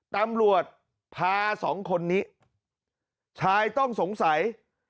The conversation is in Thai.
ตำรวจพาสองคนนี้ชายต้องสงสัย